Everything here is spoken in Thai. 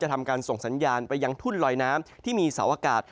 ทำการส่งสัญญาณไปยังทุ่นลอยน้ำที่มีเสาอากาศ